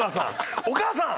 お母さん。